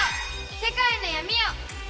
世界の闇を。